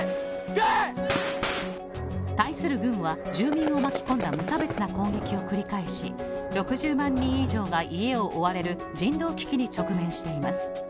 対する軍は、住民を巻き込んだ無差別な攻撃を繰り返し６０万人以上が家を追われる人道危機に直面しています。